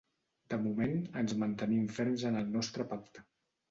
De moment, ens mantenim ferms en el nostre pacte.